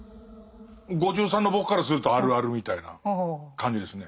５３の僕からするとあるあるみたいな感じですね。